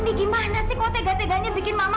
indi gimana sih kau tegak teganya bikin mama malah